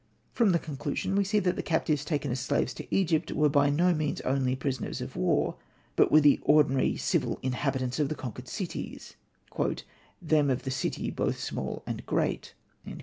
From the conclusion we see that the captives taken as slaves to Egypt were by no means only prisoners of war, but were the ordinary civil inhabitants of the conquered cities, '^ them of the city, both small and great."